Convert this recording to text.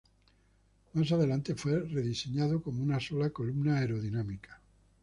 Más adelante fue rediseñado como una sola columna aerodinámica.